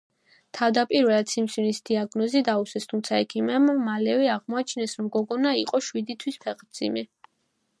თავდაპირველად, სიმსივნის დიაგნოზი დაუსვეს, თუმცა ექიმებმა მალევე აღმოაჩინეს, რომ გოგონა იყო შვიდი თვის ფეხმძიმე.